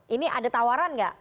ini ada tawaran nggak